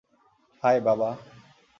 High, বাবা।